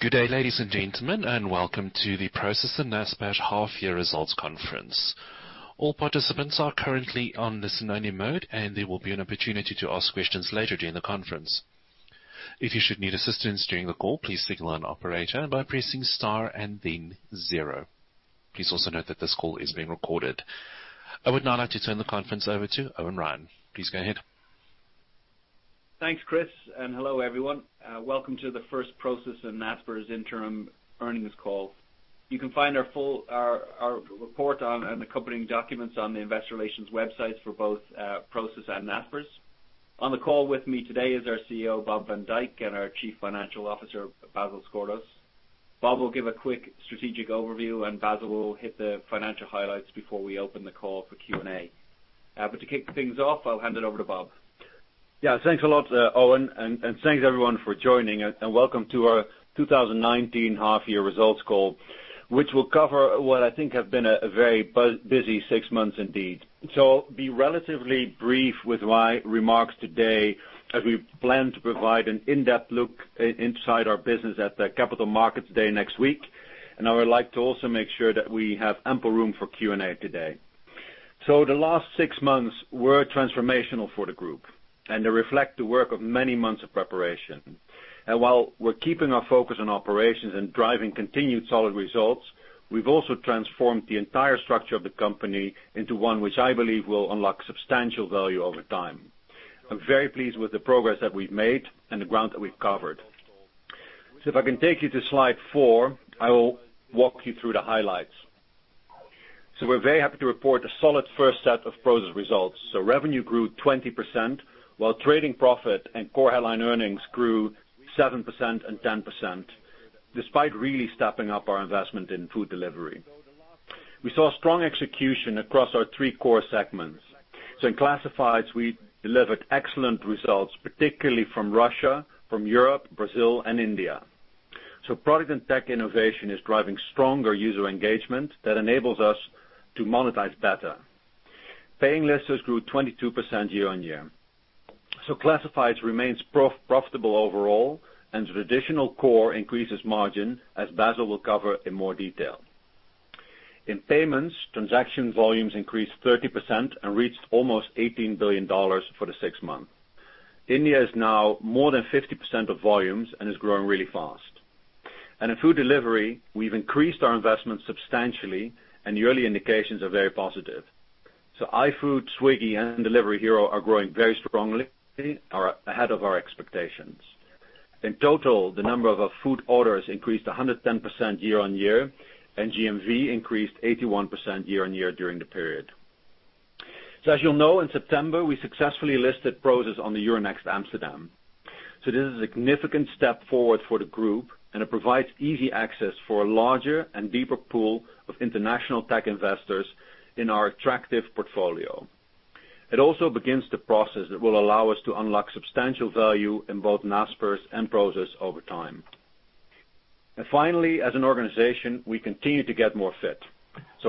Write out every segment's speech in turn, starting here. Good day, ladies and gentlemen, and welcome to the Prosus and Naspers half-year results conference. All participants are currently on listen-only mode, and there will be an opportunity to ask questions later during the conference. If you should need assistance during the call, please signal an operator by pressing star and then zero. Please also note that this call is being recorded. I would now like to turn the conference over to Eoin Ryan. Please go ahead. Thanks, Chris, and hello, everyone. Welcome to the first Prosus and Naspers interim earnings call. You can find our report on accompanying documents on the investor relations websites for both Prosus and Naspers. On the call with me today is our CEO, Bob van Dijk, and our Chief Financial Officer, Basil Sgourdos. Bob will give a quick strategic overview, and Basil will hit the financial highlights before we open the call for Q&A. To kick things off, I'll hand it over to Bob. Thanks a lot, Eoin, and thanks, everyone, for joining us, and welcome to our 2019 half-year results call, which will cover what I think have been a very busy six months indeed. I'll be relatively brief with my remarks today as we plan to provide an in-depth look inside our business at the Capital Markets Day next week, and I would like to also make sure that we have ample room for Q&A today. The last six months were transformational for the group, and they reflect the work of many months of preparation. While we're keeping our focus on operations and driving continued solid results, we've also transformed the entire structure of the company into one which I believe will unlock substantial value over time. I'm very pleased with the progress that we've made and the ground that we've covered. If I can take you to slide four, I will walk you through the highlights. We're very happy to report a solid first set of Prosus results. Revenue grew 20%, while trading profit and core headline earnings grew 7% and 10%, despite really stepping up our investment in food delivery. We saw strong execution across our three core segments. In Classifieds, we delivered excellent results, particularly from Russia, from Europe, Brazil, and India. Product and tech innovation is driving stronger user engagement that enables us to monetize better. Paying listers grew 22% year-on-year. Classifieds remains profitable overall and the traditional core increases margin, as Basil will cover in more detail. In Payments, transaction volumes increased 30% and reached almost $18 billion for the six months. India is now more than 50% of volumes and is growing really fast. In Food Delivery, we've increased our investment substantially, and the early indications are very positive. iFood, Swiggy, and Delivery Hero are growing very strongly, are ahead of our expectations. In total, the number of our food orders increased 110% year-on-year, and GMV increased 81% year-on-year during the period. As you'll know, in September, we successfully listed Prosus on the Euronext Amsterdam. This is a significant step forward for the group, and it provides easy access for a larger and deeper pool of international tech investors in our attractive portfolio. It also begins the process that will allow us to unlock substantial value in both Naspers and Prosus over time. Finally, as an organization, we continue to get more fit.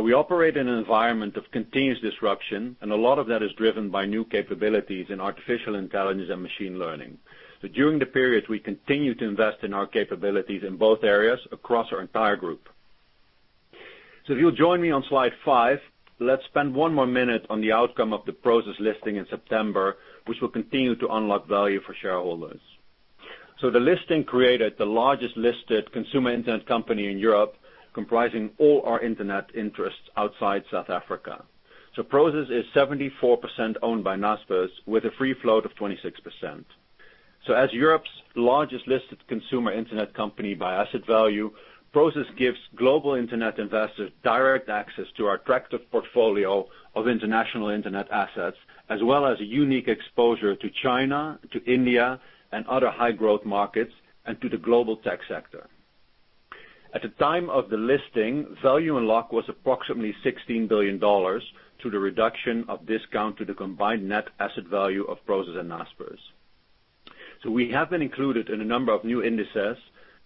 We operate in an environment of continuous disruption, and a lot of that is driven by new capabilities in artificial intelligence and machine learning. During the period, we continued to invest in our capabilities in both areas across our entire group. If you'll join me on slide five, let's spend one more minute on the outcome of the Prosus listing in September, which will continue to unlock value for shareholders. The listing created the largest listed consumer internet company in Europe, comprising all our internet interests outside South Africa. Prosus is 74% owned by Naspers with a free float of 26%. As Europe's largest listed consumer internet company by asset value, Prosus gives global internet investors direct access to our attractive portfolio of international internet assets, as well as a unique exposure to China, to India, and other high-growth markets, and to the global tech sector. At the time of the listing, value unlock was approximately EUR 16 billion to the reduction of discount to the combined net asset value of Prosus and Naspers. We have been included in a number of new indices,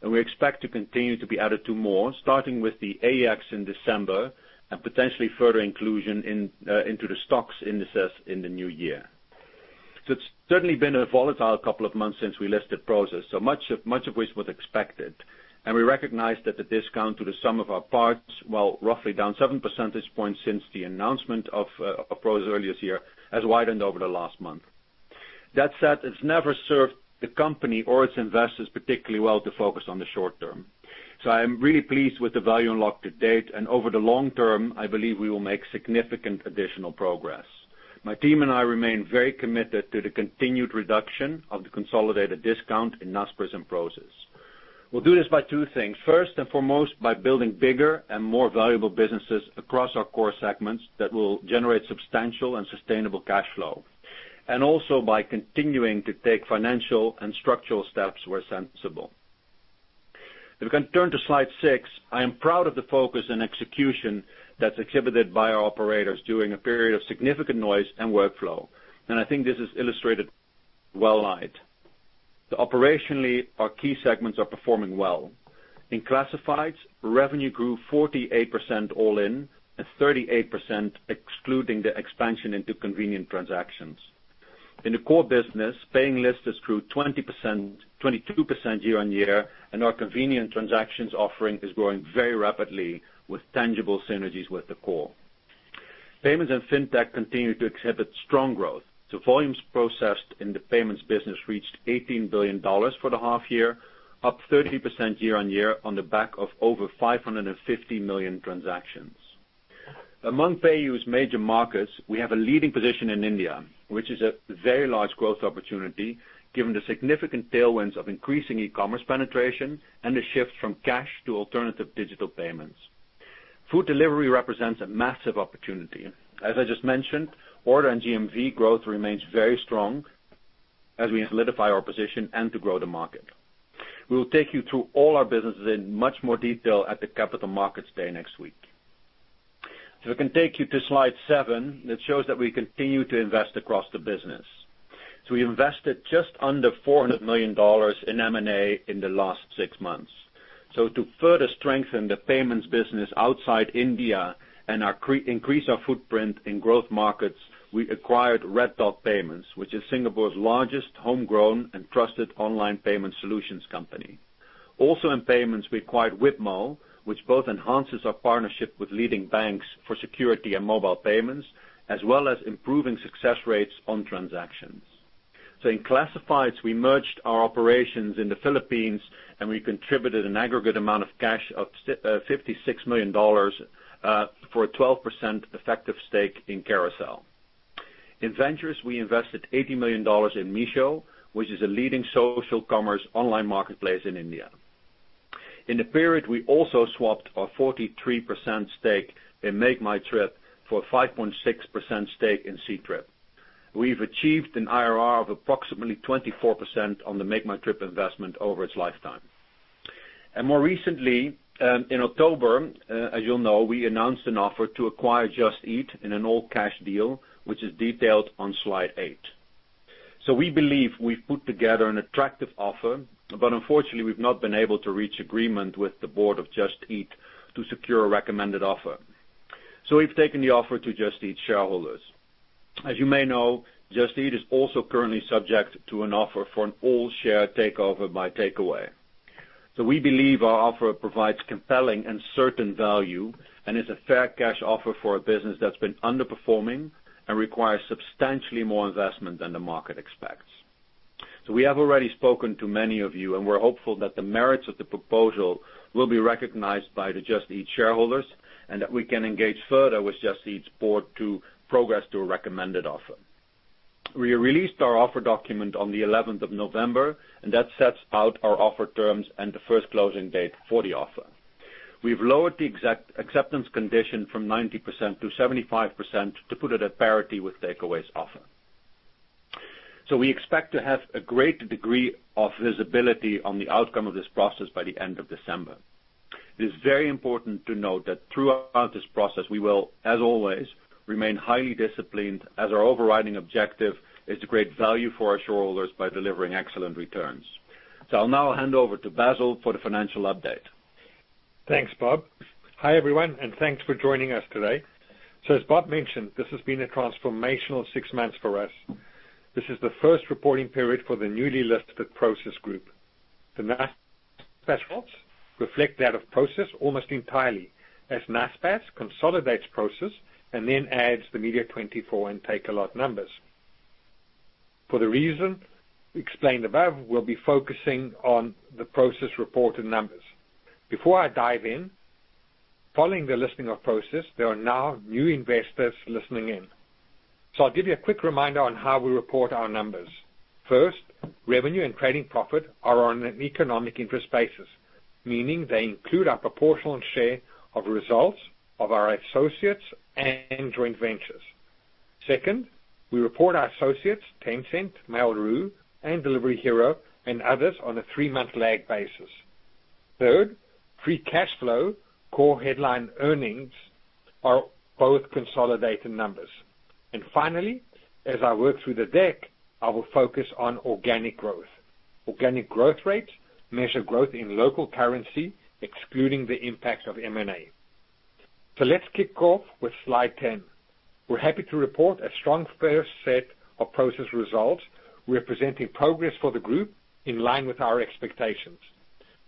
and we expect to continue to be added to more, starting with the AEX in December, and potentially further inclusion into the stocks indices in the new year. It's certainly been a volatile couple of months since we listed Prosus, so much of which was expected. We recognize that the discount to the sum of our parts, while roughly down seven percentage points since the announcement of Prosus earlier this year, has widened over the last month. That said, it's never served the company or its investors particularly well to focus on the short term. I am really pleased with the value unlocked to date, and over the long term, I believe we will make significant additional progress. My team and I remain very committed to the continued reduction of the consolidated discount in Naspers and Prosus. We'll do this by two things. First and foremost, by building bigger and more valuable businesses across our core segments that will generate substantial and sustainable cash flow, and also by continuing to take financial and structural steps where sensible. If we can turn to slide six, I am proud of the focus and execution that's exhibited by our operators during a period of significant noise and workflow. I think this is illustrated well. Operationally, our key segments are performing well. In Classifieds, revenue grew 48% all in, and 38% excluding the expansion into convenient transactions. In the core business, paying lists is through 22% year-on-year, our convenient transactions offering is growing very rapidly with tangible synergies with the core. Payments and fintech continue to exhibit strong growth. Volumes processed in the payments business reached $18 billion for the half year, up 30% year-on-year on the back of over 550 million transactions. Among PayU's major markets, we have a leading position in India, which is a very large growth opportunity given the significant tailwinds of increasing e-commerce penetration and the shift from cash to alternative digital payments. Food delivery represents a massive opportunity. As I just mentioned, order and GMV growth remains very strong as we solidify our position and to grow the market. We will take you through all our businesses in much more detail at the Capital Markets Day next week. We can take you to slide seven that shows that we continue to invest across the business. We invested just under $400 million in M&A in the last six months. To further strengthen the payments business outside India and increase our footprint in growth markets, we acquired Red Dot Payment, which is Singapore's largest homegrown and trusted online payment solutions company. Also in payments, we acquired Wibmo, which both enhances our partnership with leading banks for security and mobile payments, as well as improving success rates on transactions. In classifieds, we merged our operations in the Philippines, and we contributed an aggregate amount of cash of EUR 56 million for a 12% effective stake in Carousell. In ventures, we invested EUR 80 million in Meesho, which is a leading social commerce online marketplace in India. In the period, we also swapped our 43% stake in MakeMyTrip for a 5.6% stake in Ctrip. We've achieved an IRR of approximately 24% on the MakeMyTrip investment over its lifetime. More recently, in October, as you'll know, we announced an offer to acquire Just Eat in an all-cash deal, which is detailed on slide eight. We believe we've put together an attractive offer, but unfortunately, we've not been able to reach agreement with the board of Just Eat to secure a recommended offer. We've taken the offer to Just Eat shareholders. As you may know, Just Eat is also currently subject to an offer for an all-share takeover by Takeaway.com. We believe our offer provides compelling and certain value and is a fair cash offer for a business that's been underperforming and requires substantially more investment than the market expects. We have already spoken to many of you, and we're hopeful that the merits of the proposal will be recognized by the Just Eat shareholders and that we can engage further with Just Eat's board to progress to a recommended offer. We released our offer document on the 11th of November, and that sets out our offer terms and the first closing date for the offer. We've lowered the acceptance condition from 90% to 75% to put it at parity with Takeaway.com's offer. We expect to have a great degree of visibility on the outcome of this process by the end of December. It is very important to note that throughout this process, we will, as always, remain highly disciplined as our overriding objective is to create value for our shareholders by delivering excellent returns. I'll now hand over to Basil for the financial update. Thanks, Bob. Hi, everyone, thanks for joining us today. As Bob mentioned, this has been a transformational six months for us. This is the first reporting period for the newly listed Prosus group. The Naspers results reflect that of Prosus almost entirely, as Naspers consolidates Prosus and adds the Media24 and Takealot numbers. For the reason explained above, we'll be focusing on the Prosus reported numbers. Before I dive in, following the listing of Prosus, there are now new investors listening in. I'll give you a quick reminder on how we report our numbers. First, revenue and trading profit are on an economic interest basis, meaning they include our proportional share of results of our associates and joint ventures. Second, we report our associates, Tencent, Mail.ru, and Delivery Hero, and others on a three-month lag basis. Third, free cash flow, core headline earnings are both consolidated numbers. Finally, as I work through the deck, I will focus on organic growth. Organic growth rates measure growth in local currency, excluding the impact of M&A. Let's kick off with slide 10. We're happy to report a strong first set of Prosus results, representing progress for the group in line with our expectations.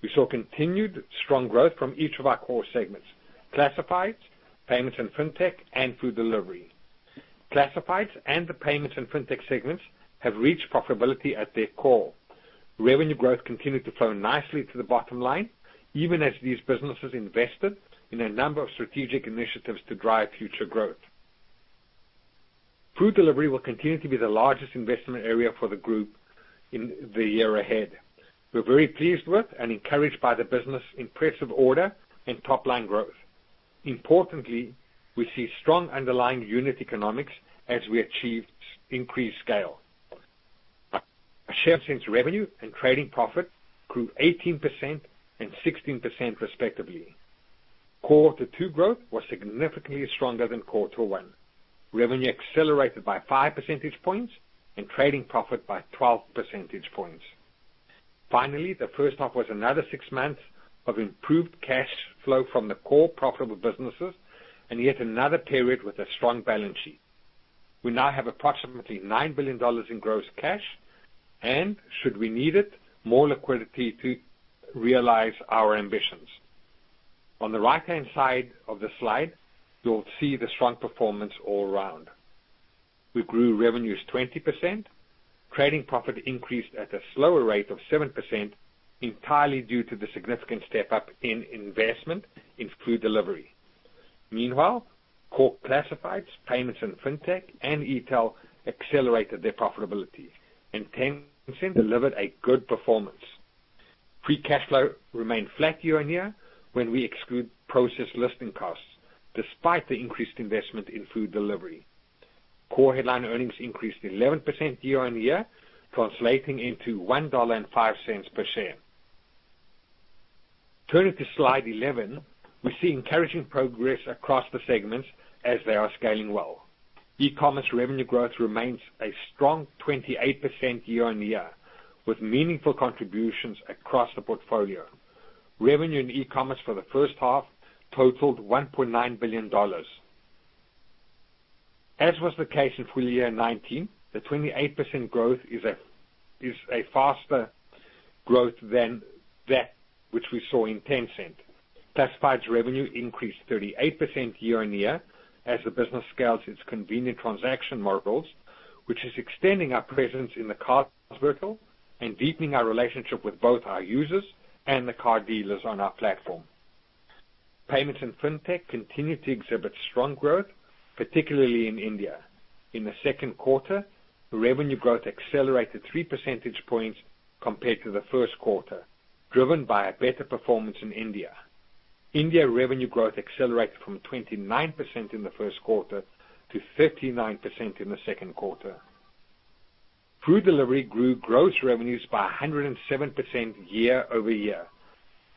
We saw continued strong growth from each of our core segments: classifieds, payments and fintech, and food delivery. Classifieds and the payments and fintech segments have reached profitability at their core. Revenue growth continued to flow nicely to the bottom line, even as these businesses invested in a number of strategic initiatives to drive future growth. Food delivery will continue to be the largest investment area for the group in the year ahead. We're very pleased with and encouraged by the business' impressive order and top-line growth. Importantly, we see strong underlying unit economics as we achieve increased scale. Naspers revenue and trading profit grew 18% and 16%, respectively. Quarter two growth was significantly stronger than quarter one. Revenue accelerated by five percentage points and trading profit by 12 percentage points. Finally, the first half was another six months of improved cash flow from the core profitable businesses and yet another period with a strong balance sheet. We now have approximately EUR 9 billion in gross cash, and should we need it, more liquidity to realize our ambitions. On the right-hand side of the slide, you'll see the strong performance all around. We grew revenues 20%. Trading profit increased at a slower rate of 7%, entirely due to the significant step-up in investment in food delivery. Core classifieds, payments and fintech, and E-tail accelerated their profitability. Tencent delivered a good performance. Free cash flow remained flat year-on-year when we exclude Prosus listing costs, despite the increased investment in food delivery. Core headline earnings increased 11% year-on-year, translating into EUR 1.05 per share. Turning to slide 11, we see encouraging progress across the segments as they are scaling well. E-commerce revenue growth remains a strong 28% year-on-year, with meaningful contributions across the portfolio. Revenue and e-commerce for the first half totaled EUR 1.9 billion. As was the case in FY 2019, the 28% growth is a faster growth than that which we saw in Tencent. Classifieds revenue increased 38% year-over-year, as the business scales its convenient transaction models, which is extending our presence in the cars vertical and deepening our relationship with both our users and the car dealers on our platform. Payments and fintech continue to exhibit strong growth, particularly in India. In the second quarter, revenue growth accelerated three percentage points compared to the first quarter, driven by a better performance in India. India revenue growth accelerated from 29% in the first quarter to 39% in the second quarter. Food delivery grew gross revenues by 107% year-over-year,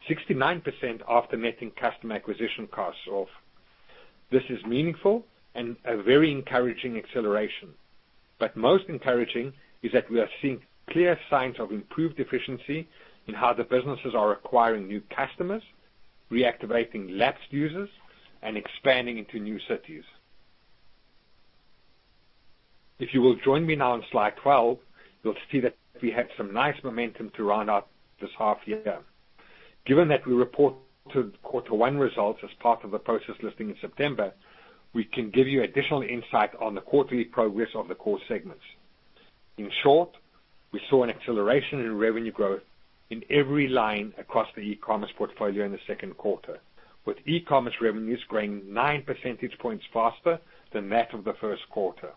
69% after netting customer acquisition costs off. This is meaningful and a very encouraging acceleration. Most encouraging is that we are seeing clear signs of improved efficiency in how the businesses are acquiring new customers, reactivating lapsed users, and expanding into new cities. If you will join me now on slide 12, you'll see that we had some nice momentum to round out this half year. Given that we reported quarter one results as part of the Prosus listing in September, we can give you additional insight on the quarterly progress of the core segments. We saw an acceleration in revenue growth in every line across the e-commerce portfolio in the second quarter, with e-commerce revenues growing nine percentage points faster than that of the first quarter.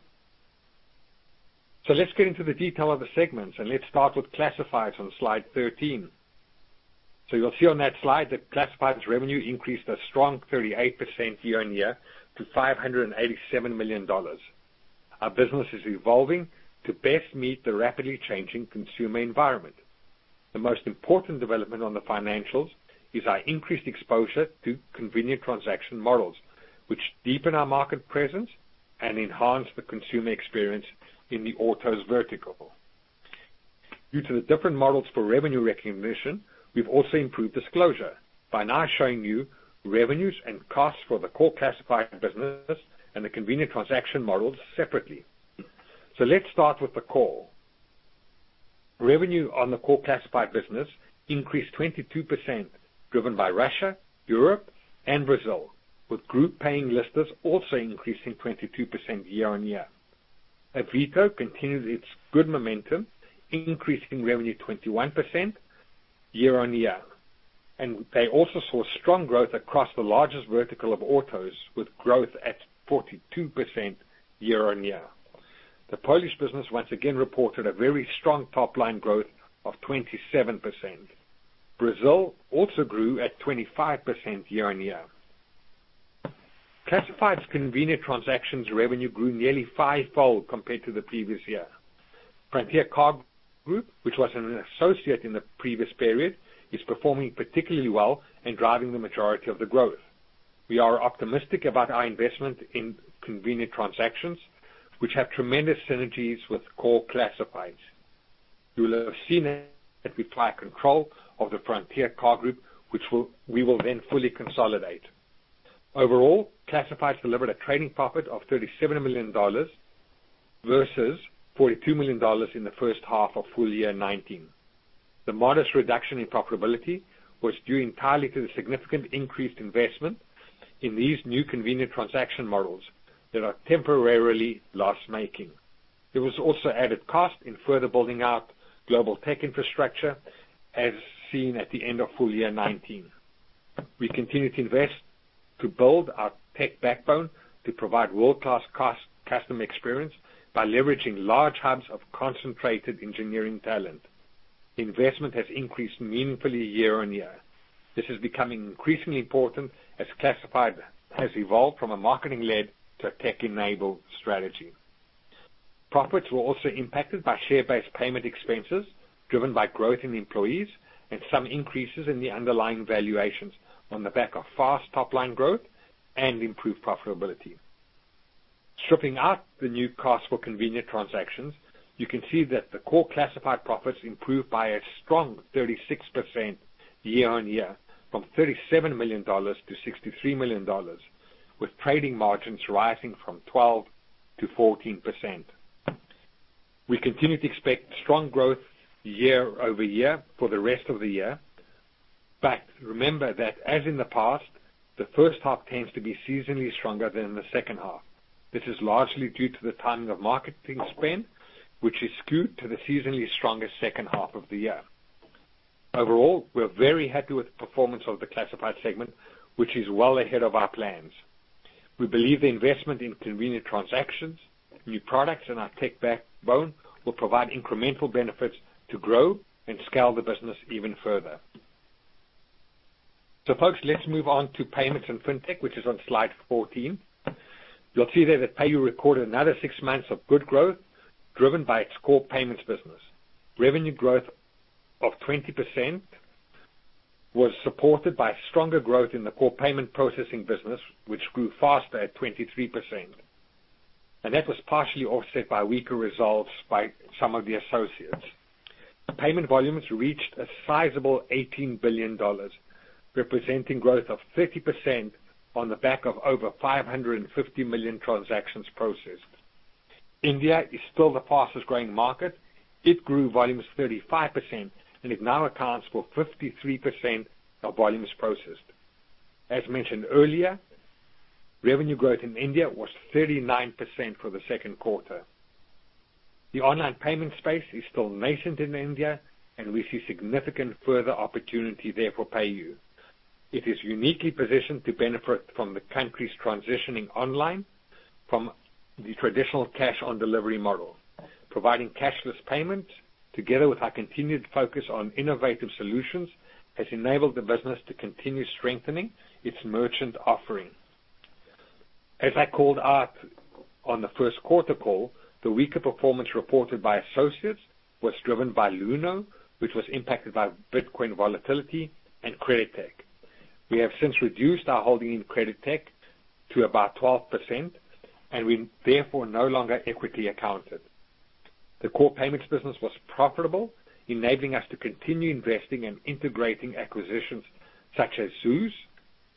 Let's get into the detail of the segments and let's start with classifieds on slide 13. You'll see on that slide that classifieds revenue increased a strong 38% year-on-year to EUR 587 million. Our business is evolving to best meet the rapidly changing consumer environment. The most important development on the financials is our increased exposure to convenient transaction models, which deepen our market presence and enhance the consumer experience in the autos vertical. Due to the different models for revenue recognition, we've also improved disclosure by now showing you revenues and costs for the core classified business and the convenient transaction models separately. Let's start with the core. Revenue on the core classified business increased 22%, driven by Russia, Europe, and Brazil, with group paying listers also increasing 22% year-on-year. Avito continues its good momentum, increasing revenue 21% year-on-year. They also saw strong growth across the largest vertical of autos, with growth at 42% year-on-year. The Polish business once again reported a very strong top-line growth of 27%. Brazil also grew at 25% year-on-year. Classifieds' convenient transactions revenue grew nearly fivefold compared to the previous year. Frontier Car Group, which was an associate in the previous period, is performing particularly well and driving the majority of the growth. We are optimistic about our investment in convenient transactions, which have tremendous synergies with core classifieds. You will have seen that we full control of the Frontier Car Group, which we will fully consolidate. Overall, classifieds delivered a trading profit of EUR 37 million versus EUR 42 million in the first half of full year 2019. The modest reduction in profitability was due entirely to the significant increased investment in these new convenient transaction models that are temporarily loss-making. There was also added cost in further building out global tech infrastructure, as seen at the end of full year 2019. We continue to invest to build our tech backbone to provide world-class customer experience by leveraging large hubs of concentrated engineering talent. Investment has increased meaningfully year-over-year. This is becoming increasingly important as classifieds has evolved from a marketing-led to a tech-enabled strategy. Profits were also impacted by share-based payment expenses driven by growth in employees and some increases in the underlying valuations on the back of fast top-line growth and improved profitability. Stripping out the new cost for convenient transactions, you can see that the core classifieds profits improved by a strong 36% year-over-year from EUR 37 million to EUR 63 million, with trading margins rising from 12%-14%. We continue to expect strong growth year-over-year for the rest of the year. Remember that as in the past, the first half tends to be seasonally stronger than the second half. This is largely due to the timing of marketing spend, which is skewed to the seasonally stronger second half of the year. Overall, we're very happy with the performance of the classified segment, which is well ahead of our plans. We believe the investment in convenient transactions, new products in our tech backbone will provide incremental benefits to grow and scale the business even further. Folks, let's move on to payments and fintech, which is on slide 14. You'll see there that PayU recorded another six months of good growth driven by its core payments business. Revenue growth of 20% was supported by stronger growth in the core payment processing business, which grew faster at 23%. That was partially offset by weaker results by some of the associates. Payment volumes reached a sizable $18 billion, representing growth of 30% on the back of over 550 million transactions processed. India is still the fastest-growing market. It grew volumes 35% and it now accounts for 53% of volumes processed. As mentioned earlier, revenue growth in India was 39% for the second quarter. The online payment space is still nascent in India, and we see significant further opportunity there for PayU. It is uniquely positioned to benefit from the country's transitioning online from the traditional cash-on-delivery model. Providing cashless payments together with our continued focus on innovative solutions has enabled the business to continue strengthening its merchant offering. As I called out on the first quarter call, the weaker performance reported by associates was driven by Luno, which was impacted by Bitcoin volatility and CreditTech. We have since reduced our holding in CreditTech to about 12%, and we therefore no longer equity account it. The core payments business was profitable, enabling us to continue investing and integrating acquisitions such as ZOOZ,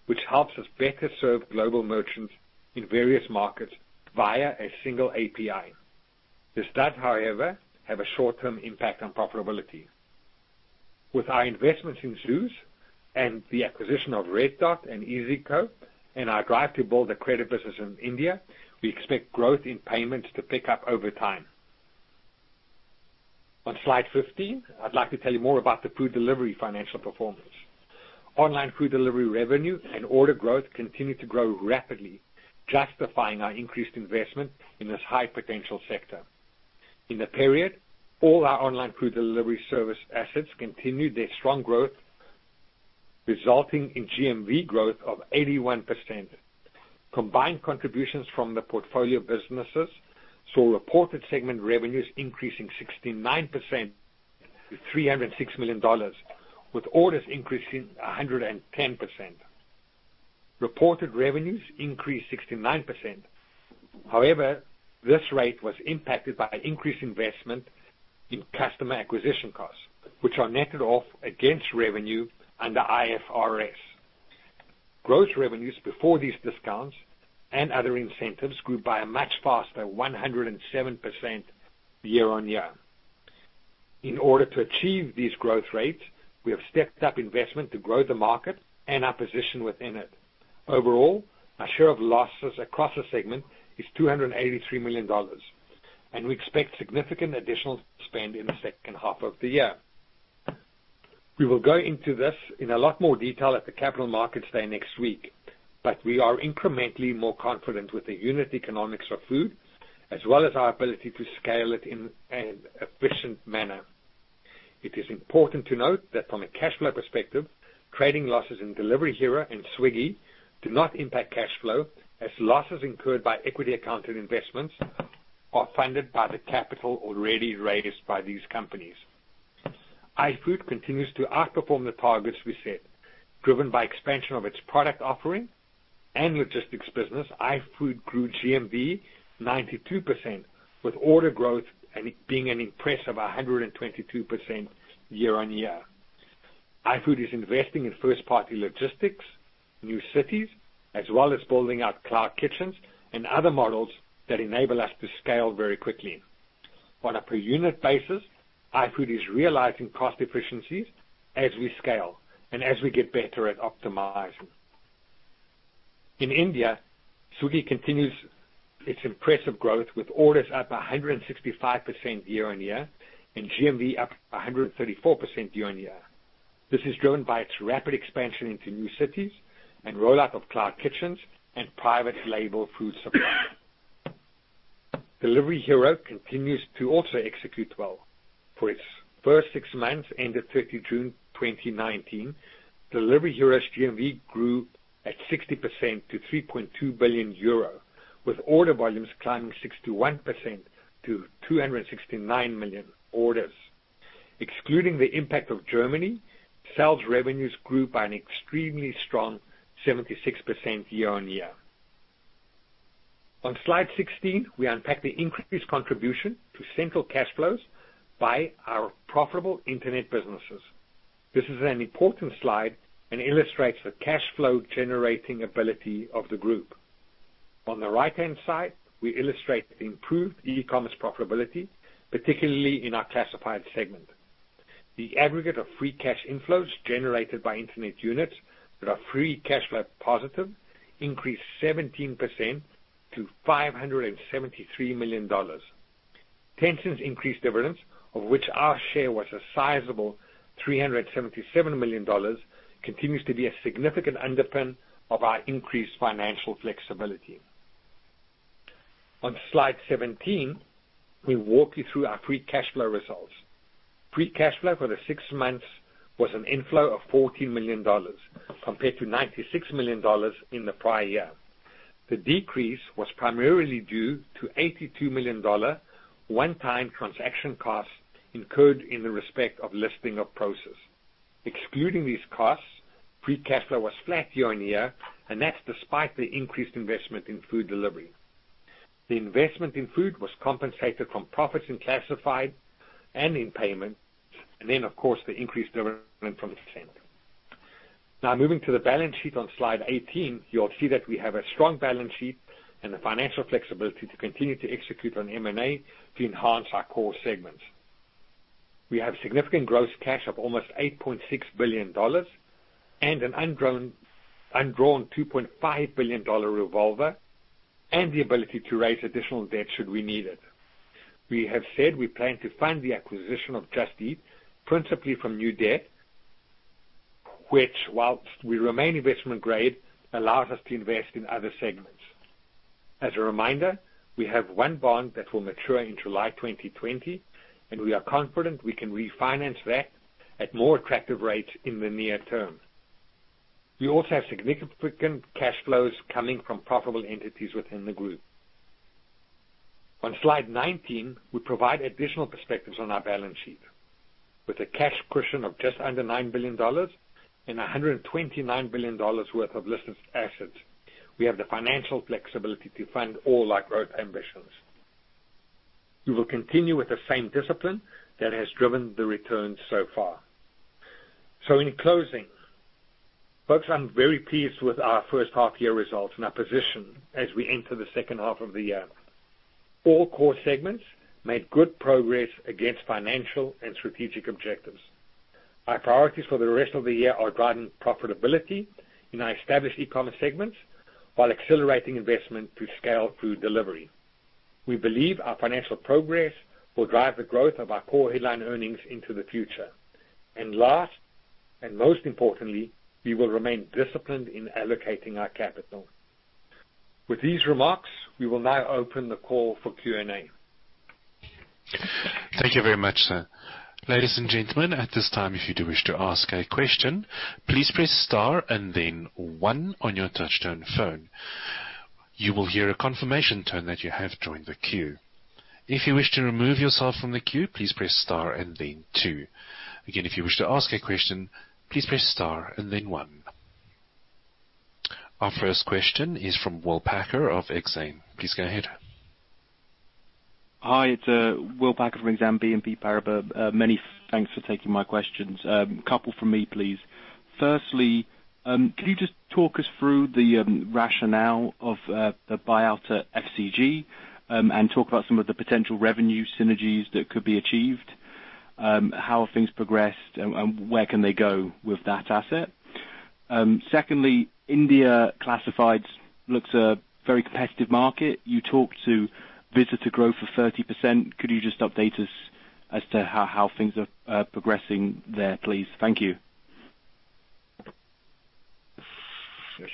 which helps us better serve global merchants in various markets via a single API. This does, however, have a short-term impact on profitability. With our investments in ZOOZ and the acquisition of Red Dot and iyzico, and our drive to build a credit business in India, we expect growth in payments to pick up over time. On slide 15, I'd like to tell you more about the food delivery financial performance. Online food delivery revenue and order growth continue to grow rapidly, justifying our increased investment in this high-potential sector. In the period, all our online food delivery service assets continued their strong growth, resulting in GMV growth of 81%. Combined contributions from the portfolio of businesses saw reported segment revenues increasing 69% to EUR 306 million, with orders increasing 110%. Reported revenues increased 69%. This rate was impacted by increased investment in customer acquisition costs, which are netted off against revenue under IFRS. Gross revenues before these discounts and other incentives grew by a much faster 107% year-on-year. In order to achieve these growth rates, we have stepped up investment to grow the market and our position within it. Our share of losses across the segment is EUR 283 million, and we expect significant additional spend in the second half of the year. We will go into this in a lot more detail at the Capital Markets Day next week, we are incrementally more confident with the unit economics of food, as well as our ability to scale it in an efficient manner. It is important to note that from a cash flow perspective, trading losses in Delivery Hero and Swiggy do not impact cash flow, as losses incurred by equity accounted investments are funded by the capital already raised by these companies. iFood continues to outperform the targets we set. Driven by expansion of its product offering and logistics business, iFood grew GMV 92%, with order growth being an impressive 122% year-on-year. iFood is investing in first-party logistics, new cities, as well as building out cloud kitchens and other models that enable us to scale very quickly. On a per unit basis, iFood is realizing cost efficiencies as we scale and as we get better at optimizing. In India, Swiggy continues its impressive growth, with orders up 165% year-on-year and GMV up 134% year-on-year. This is driven by its rapid expansion into new cities and rollout of cloud kitchens and private label food supply. Delivery Hero continues to also execute well. For its first six months ended 30 June 2019, Delivery Hero's GMV grew at 60% to 3.2 billion euro, with order volumes climbing 61% to 269 million orders. Excluding the impact of Germany, sales revenues grew by an extremely strong 76% year-on-year. On slide 16, we unpack the increased contribution to central cash flows by our profitable internet businesses. This is an important slide and illustrates the cash flow generating ability of the group. On the right-hand side, we illustrate the improved e-commerce profitability, particularly in our classified segment. The aggregate of free cash inflows generated by internet units that are free cash flow positive increased 17% to EUR 573 million. Tencent's increased dividends, of which our share was a sizable EUR 377 million, continues to be a significant underpin of our increased financial flexibility. On slide 17, we walk you through our free cash flow results. Free cash flow for the six months was an inflow of EUR 14 million compared to EUR 96 million in the prior year. The decrease was primarily due to EUR 82 million one-time transaction costs incurred in the respect of listing of Prosus. Excluding these costs, free cash flow was flat year-on-year, and that's despite the increased investment in food delivery. The investment in food was compensated from profits in classified and in payment, then, of course, the increased dividend from Tencent. Now moving to the balance sheet on Slide 18, you'll see that we have a strong balance sheet and the financial flexibility to continue to execute on M&A to enhance our core segments. We have significant gross cash of almost EUR 8.6 billion and an undrawn EUR 2.5 billion revolver, and the ability to raise additional debt should we need it. We have said we plan to fund the acquisition of Just Eat principally from new debt, which whilst we remain investment grade, allows us to invest in other segments. As a reminder, we have one bond that will mature in July 2020, and we are confident we can refinance that at more attractive rates in the near term. We also have significant cash flows coming from profitable entities within the group. On slide 19, we provide additional perspectives on our balance sheet. With a cash cushion of just under EUR 9 billion and EUR 129 billion worth of listed assets, we have the financial flexibility to fund all our growth ambitions. We will continue with the same discipline that has driven the returns so far. In closing, folks, I am very pleased with our first half year results and our position as we enter the second half of the year. All core segments made good progress against financial and strategic objectives. Our priorities for the rest of the year are driving profitability in our established e-commerce segments while accelerating investment to scale food delivery. We believe our financial progress will drive the growth of our core headline earnings into the future. Last, and most importantly, we will remain disciplined in allocating our capital. With these remarks, we will now open the call for Q&A. Thank you very much, sir. Ladies and gentlemen, at this time, if you do wish to ask a question, please press star and then one on your touchtone phone. You will hear a confirmation tone that you have joined the queue. If you wish to remove yourself from the queue, please press star and then two. Again, if you wish to ask a question, please press star and then one. Our first question is from Will Packer of Exane. Please go ahead. Hi, it's Will Packer from Exane BNP Paribas. Many thanks for taking my questions. Couple from me, please. Firstly, can you just talk us through the rationale of the buyout at FCG, and talk about some of the potential revenue synergies that could be achieved? How have things progressed, and where can they go with that asset? Secondly, India Classifieds looks a very competitive market. You talked to visitor growth of 30%. Could you just update us as to how things are progressing there, please? Thank you.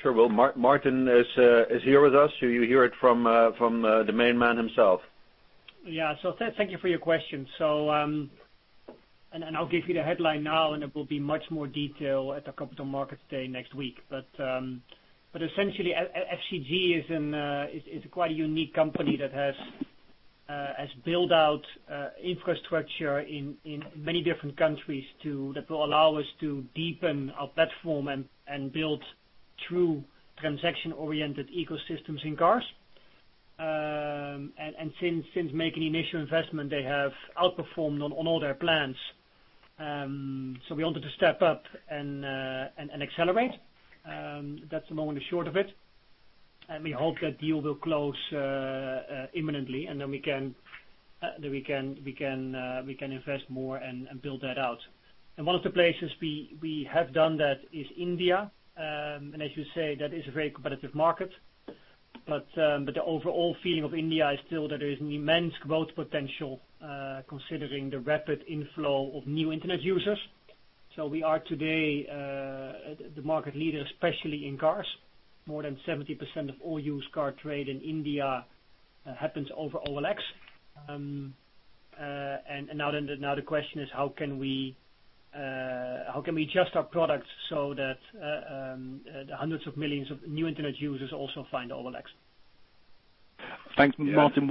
Sure. Well, Martin is here with us, so you'll hear it from the main man himself. Thank you for your question. I'll give you the headline now, there will be much more detail at the Capital Markets Day next week. Essentially, FCG is a quite a unique company that has built out infrastructure in many different countries that will allow us to deepen our platform and build true transaction-oriented ecosystems in cars. Since making the initial investment, they have outperformed on all their plans. We wanted to step up and accelerate. That's the long and short of it. We hope that deal will close imminently, then we can invest more and build that out. One of the places we have done that is India. As you say, that is a very competitive market. The overall feeling of India is still that there is an immense growth potential, considering the rapid inflow of new internet users. We are today the market leader, especially in cars. More than 70% of all used car trade in India happens over OLX. Now the question is, how can we adjust our products so that the hundreds of millions of new internet users also find OLX? Thanks, Martin.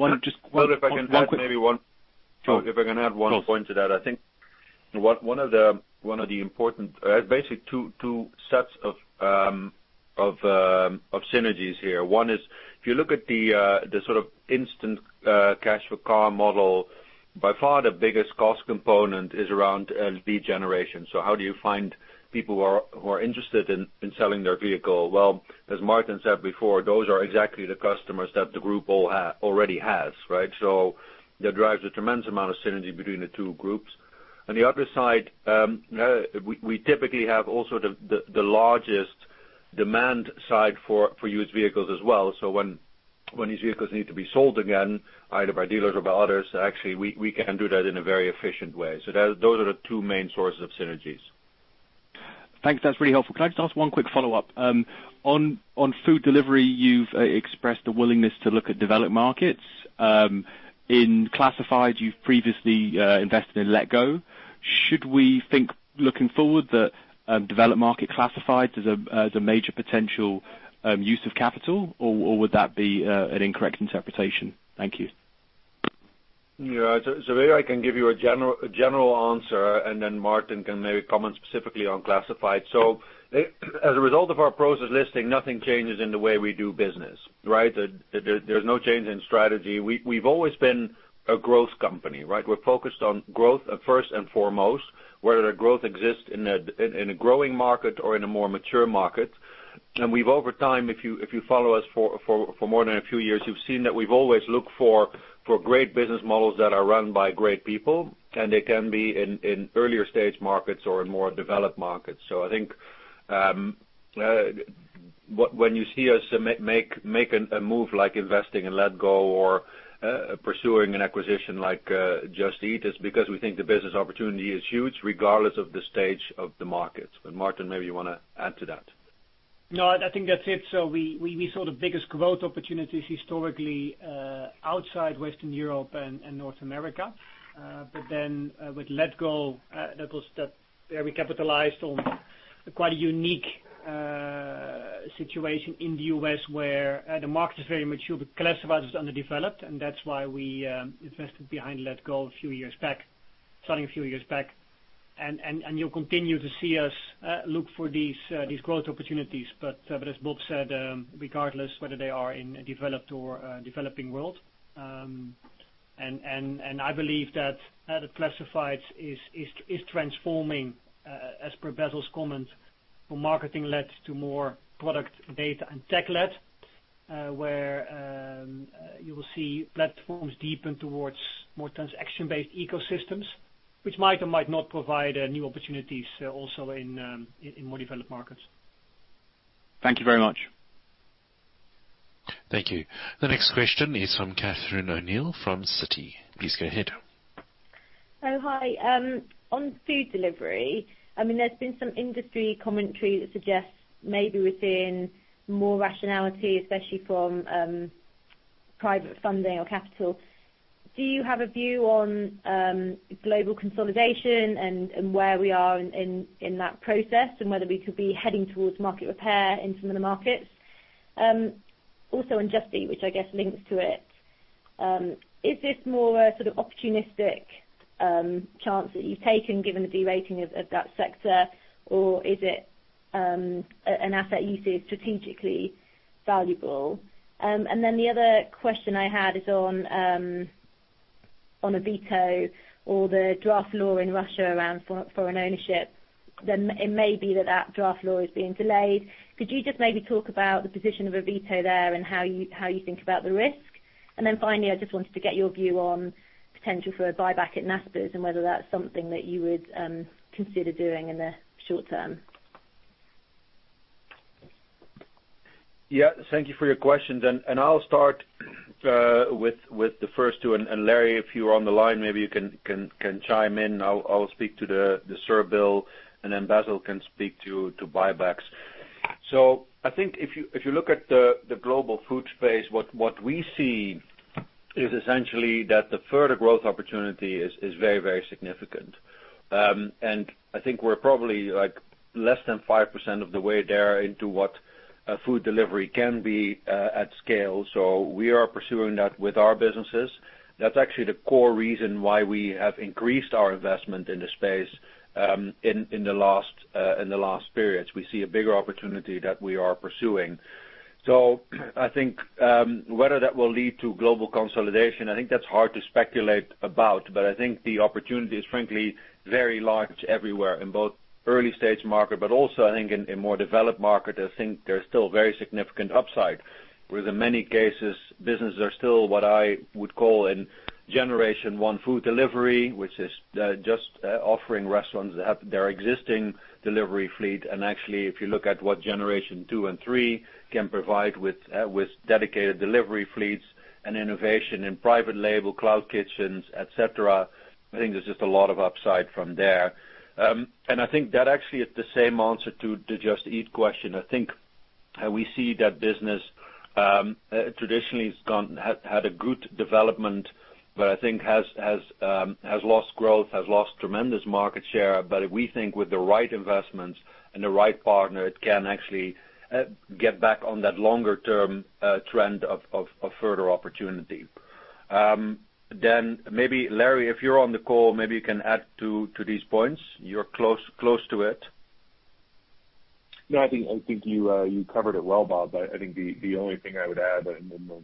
If I can add one point to that. I think one of the important, basic two sets of synergies here. One is if you look at the instant cash for car model, by far the biggest cost component is around lead generation. How do you find people who are interested in selling their vehicle? Well, as Martin said before, those are exactly the customers that the group already has. That drives a tremendous amount of synergy between the two groups. On the other side, we typically have also the largest demand side for used vehicles as well. When these vehicles need to be sold again, either by dealers or by others, actually, we can do that in a very efficient way. Those are the two main sources of synergies. Thanks. That's really helpful. Can I just ask one quick follow-up? On food delivery, you've expressed a willingness to look at developed markets. In classifieds, you've previously invested in letgo. Should we think looking forward that developed market classifieds is a major potential use of capital, or would that be an incorrect interpretation? Thank you. Maybe I can give you a general answer, and then Martin can maybe comment specifically on classifieds. As a result of our Prosus listing, nothing changes in the way we do business. There's no change in strategy. We've always been a growth company. We're focused on growth first and foremost, whether the growth exists in a growing market or in a more mature market. We've over time, if you follow us for more than a few years, you've seen that we've always looked for great business models that are run by great people, and they can be in earlier stage markets or in more developed markets. I think when you see us make a move like investing in letgo or pursuing an acquisition like Just Eat, it's because we think the business opportunity is huge, regardless of the stage of the markets. Martin, maybe you want to add to that. I think that's it. We saw the biggest growth opportunities historically outside Western Europe and North America. With Letgo, that was where we capitalized on quite a unique situation in the U.S., where the market is very mature, but classifieds is underdeveloped, and that's why we invested behind Letgo a few years back, starting a few years back. You'll continue to see us look for these growth opportunities. As Bob said, regardless whether they are in a developed or a developing world. I believe that the classifieds is transforming, as per Basil's comment, from marketing led to more product data and tech led, where you will see platforms deepen towards more transaction-based ecosystems, which might or might not provide new opportunities also in more developed markets. Thank you very much. Thank you. The next question is from Catherine O'Neill from Citi. Please go ahead. Hi. On food delivery, there's been some industry commentary that suggests maybe we're seeing more rationality, especially from private funding or capital. Do you have a view on global consolidation and where we are in that process, and whether we could be heading towards market repair in some of the markets? Also on Just Eat, which I guess links to it. Is this more a sort of opportunistic chance that you've taken given the de-rating of that sector, or is it an asset you see as strategically valuable? The other question I had is on Avito or the draft law in Russia around foreign ownership. It may be that that draft law is being delayed. Could you just maybe talk about the position of Avito there and how you think about the risk? Finally, I just wanted to get your view on potential for a buyback at Naspers and whether that's something that you would consider doing in the short term. Yeah. Thank you for your questions. I'll start with the first two, and Larry, if you are on the line, maybe you can chime in. I'll speak to the SUR bill, then Basil Sgourdos can speak to buybacks. I think if you look at the global food space, what we see is essentially that the further growth opportunity is very significant. I think we're probably less than 5% of the way there into what food delivery can be at scale. We are pursuing that with our businesses. That's actually the core reason why we have increased our investment in the space in the last periods. We see a bigger opportunity that we are pursuing. I think whether that will lead to global consolidation, I think that's hard to speculate about, but I think the opportunity is frankly very large everywhere in both early stage market, but also I think in more developed market, I think there's still very significant upside, where in many cases, businesses are still what I would call a generation 1 food delivery, which is just offering restaurants that have their existing delivery fleet. Actually, if you look at what generation 2 and 3 can provide with dedicated delivery fleets and innovation in private label cloud kitchens, et cetera, I think there's just a lot of upside from there. I think that actually is the same answer to the Just Eat question. I think we see that business traditionally has had a good development, but I think has lost growth, has lost tremendous market share. We think with the right investments and the right partner, it can actually get back on that longer term trend of further opportunity. Maybe Larry, if you're on the call, maybe you can add to these points. You're close to it. No, I think you covered it well, Bob. I think the only thing I would add in the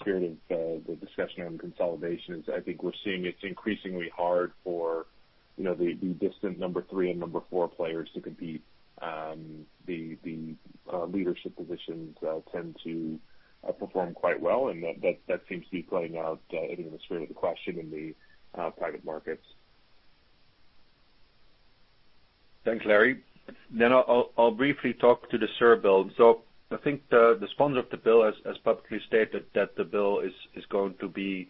spirit of the discussion around consolidation is I think we're seeing it's increasingly hard for the distant number 3 and number 4 players to compete. The leadership positions tend to perform quite well, and that seems to be playing out, I think in the spirit of the question, in the private markets. Thanks, Larry. I'll briefly talk to the SUR bill. I think the sponsor of the bill has publicly stated that the bill is going to be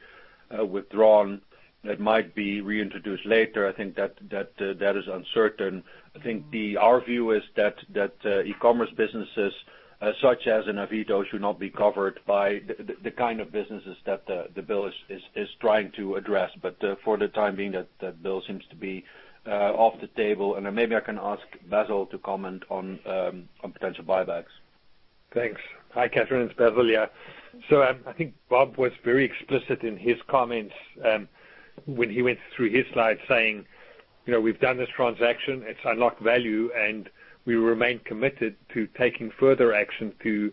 withdrawn. It might be reintroduced later. I think that is uncertain. I think our view is that e-commerce businesses such as Avito should not be covered by the kind of businesses that the bill is trying to address. For the time being, that bill seems to be off the table. Maybe I can ask Basil to comment on potential buybacks. Thanks. Hi, Catherine, it's Basil here. I think Bob was very explicit in his comments when he went through his slides saying, "We've done this transaction, it's unlocked value, and we remain committed to taking further action to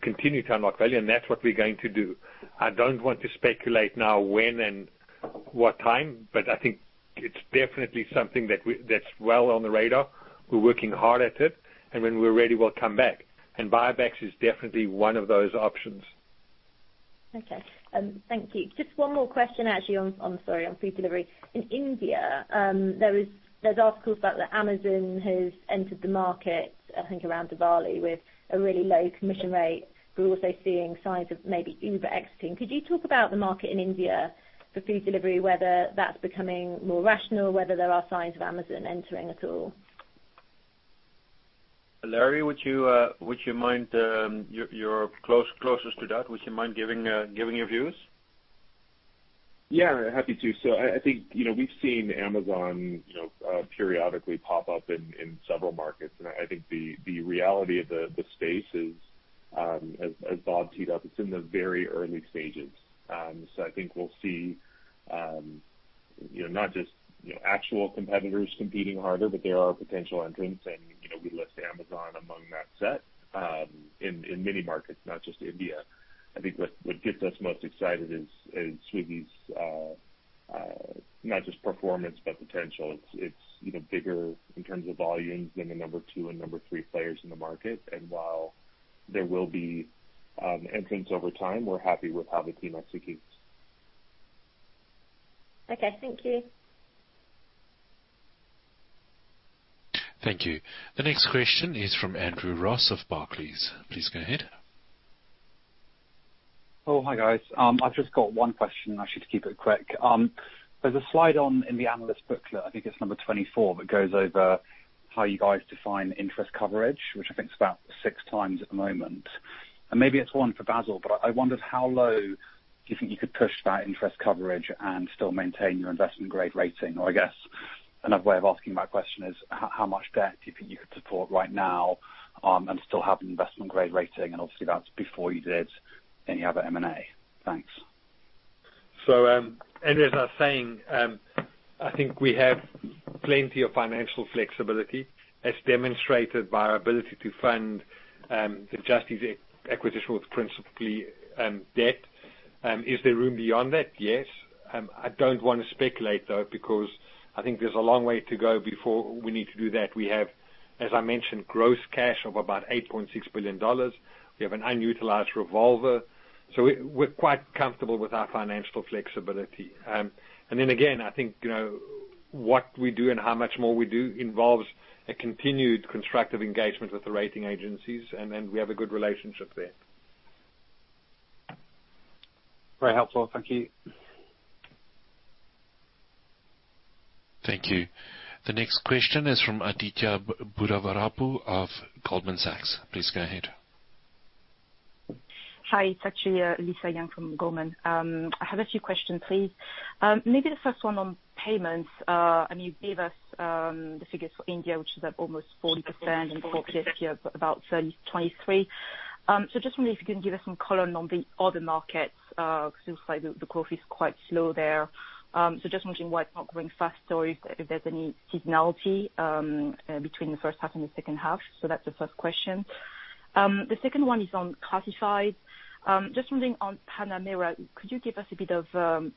continue to unlock value," and that's what we're going to do. I don't want to speculate now when and what time, but I think it's definitely something that's well on the radar. We're working hard at it, and when we're ready, we'll come back. Buybacks is definitely one of those options. Okay. Thank you. Just one more question, actually, sorry, on food delivery. In India, there's articles about that Amazon has entered the market, I think around Diwali, with a really low commission rate. We're also seeing signs of maybe Uber exiting. Could you talk about the market in India for food delivery, whether that's becoming more rational or whether there are signs of Amazon entering at all? Larry, would you mind, you're closest to that, would you mind giving your views? Yeah, happy to. I think we've seen Amazon periodically pop up in several markets, and I think the reality of the space is, as Bob teed up, it's in the very early stages. I think we'll see not just actual competitors competing harder, but there are potential entrants and we list Amazon among that set, in many markets, not just India. I think what gets us most excited is Swiggy's not just performance but potential. It's bigger in terms of volumes than the number 2 and number 3 players in the market. While there will be entrants over time, we're happy with how the team executes. Okay. Thank you. Thank you. The next question is from Andrew Ross of Barclays. Please go ahead. Hi guys. I've just got one question, actually, to keep it quick. There's a slide on in the analyst booklet, I think it's number 24, that goes over how you guys define interest coverage, which I think is about six times at the moment. Maybe it's one for Basil, but I wondered how low you think you could push that interest coverage and still maintain your investment grade rating? I guess another way of asking my question is, how much debt do you think you could support right now, and still have an investment grade rating? Obviously that's before you did any other M&A. Thanks. Andrew, as I was saying, I think we have plenty of financial flexibility as demonstrated by our ability to fund the Just Eat acquisition with principally debt. Is there room beyond that? Yes. I don't want to speculate, though, because I think there's a long way to go before we need to do that. We have, as I mentioned, gross cash of about $8.6 billion. We have an unutilized revolver. We're quite comfortable with our financial flexibility. Again, I think what we do and how much more we do involves a continued constructive engagement with the rating agencies, and we have a good relationship there. Very helpful. Thank you. Thank you. The next question is from Aditya Buddhavarapu of Goldman Sachs. Please go ahead. Hi, it's actually Lisa Yang from Goldman Sachs. I have a few questions, please. Maybe the first one on payments. You gave us the figures for India, which is at almost 40%, and for 40, about 23. Just wondering if you can give us some color on the other markets. It looks like the growth is quite slow there. Just wondering why it's not growing faster or if there's any seasonality between the first half and the second half. That's the first question. The second one is on classifieds. Just wondering on Panamera, could you give us a bit of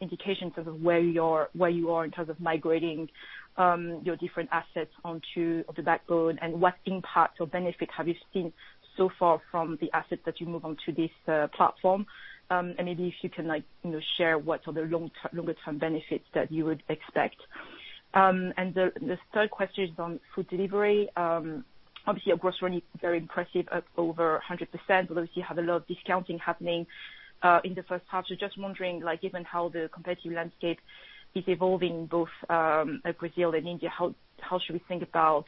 indication in terms of where you are in terms of migrating your different assets onto the backbone, and what impact or benefit have you seen so far from the assets that you moved onto this platform? Maybe if you can share what are the longer-term benefits that you would expect. The third question is on food delivery. Obviously, your grocery is very impressive at over 100%, although you have a lot of discounting happening in the first half. Just wondering, given how the competitive landscape is evolving, both Brazil and India, how should we think about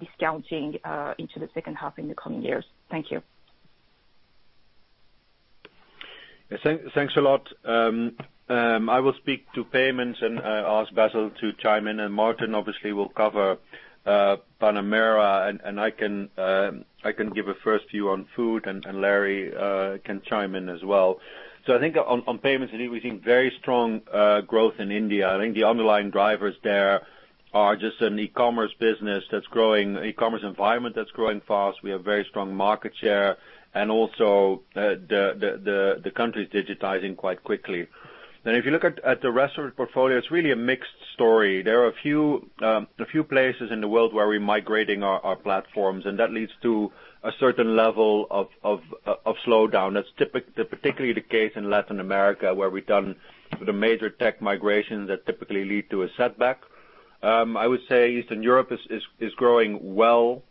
discounting into the second half in the coming years? Thank you. Thanks a lot. I will speak to payments and ask Basil Sgourdos to chime in, and Martin obviously will cover Panamera, and Larry can chime in as well. I think on payments, we're seeing very strong growth in India. I think the underlying drivers there are just an e-commerce business that's growing, e-commerce environment that's growing fast. We have very strong market share and also the country's digitizing quite quickly. If you look at the rest of our portfolio, it's really a mixed story. There are a few places in the world where we're migrating our platforms, and that leads to a certain level of slowdown. That's particularly the case in Latin America, where we've done the major tech migration that typically lead to a setback. I would say Eastern Europe is growing well.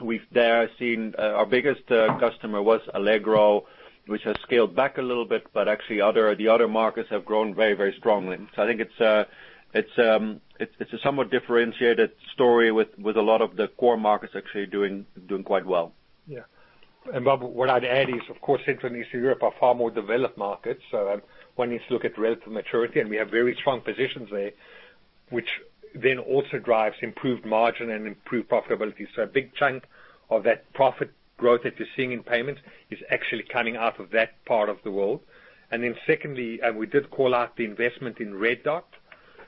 We've there seen our biggest customer was Allegro, which has scaled back a little bit, but actually the other markets have grown very strongly. I think it's a somewhat differentiated story with a lot of the core markets actually doing quite well. Yeah. What I'd add is, of course, Central and Eastern Europe are far more developed markets. One needs to look at relative maturity, and we have very strong positions there, which then also drives improved margin and improved profitability. A big chunk of that profit growth that you're seeing in payments is actually coming out of that part of the world. Secondly, we did call out the investment in Red Dot,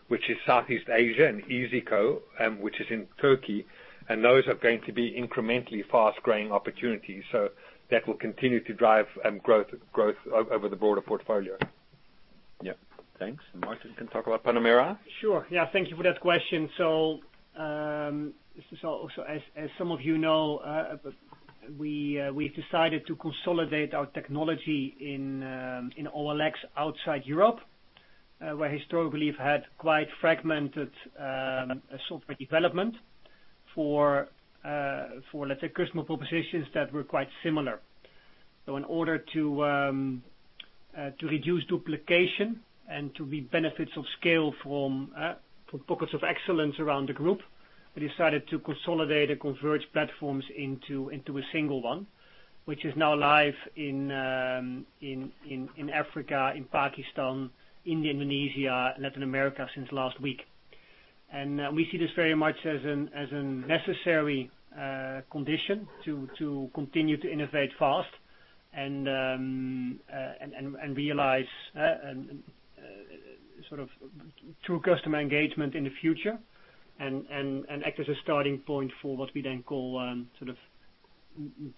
which is Southeast Asia, and iyzico, which is in Turkey, and those are going to be incrementally fast-growing opportunities. That will continue to drive growth over the broader portfolio. Yeah. Thanks. Martin can talk about Panamera. Sure. Yeah, thank you for that question. As some of you know, we've decided to consolidate our technology in OLX outside Europe, where historically we've had quite fragmented software development for customer propositions that were quite similar. In order to reduce duplication and to reap benefits of scale from pockets of excellence around the group, we decided to consolidate and converge platforms into a single one, which is now live in Africa, in Pakistan, India, Indonesia, Latin America since last week. We see this very much as a necessary condition to continue to innovate fast and realize true customer engagement in the future and act as a starting point for what we then call